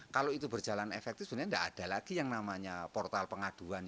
kalau itu berjalan efektif sebenarnya tidak ada lagi yang namanya portal pengaduan